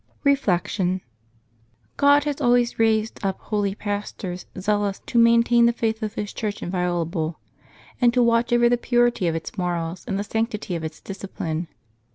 Reflection. — God has always raised up holy pastors zeal ous to maintain the faith of His Church inviolable, and to August 27] LIVES OF THE SAINTS 295 watch over the purity of its morals and the sanctity of its discipline.